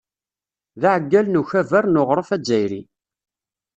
D aɛeggal n Ukabar n Uɣref Azzayri.